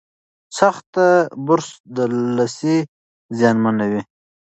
سخت برس د لثې زیانمنوي.